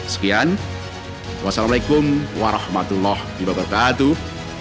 sekian wassalamualaikum warahmatullahi wabarakatuh